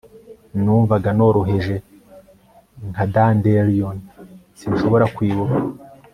numvaga noroheje nka dandelion. sinshobora kwibuka